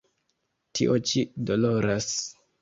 Tio ĉi doloras!